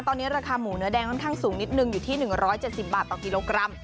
ตอนนี้ราคาหมูเนื้อแดงค่อนข้างสูงนิดนึงอยู่ที่๑๗๐บาทต่อกิโลกรัม